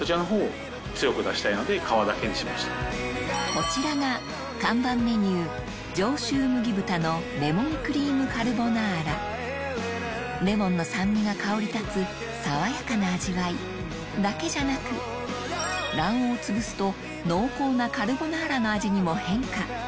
こちらが看板メニューレモンの酸味が香り立つ爽やかな味わいだけじゃなく卵黄をつぶすと濃厚なカルボナーラの味にも変化